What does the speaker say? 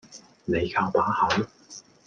你靠把口